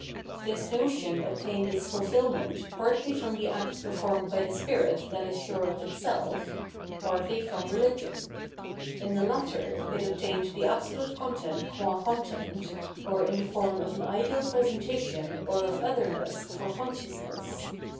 This notion obtained its fulfilment partly from the acts performed by the spirit that is sure of itself, partly from rehgion. In the latter it obtained the absolute content qua content, or in the form of an ideal pre sentation or of otherness for consciousness.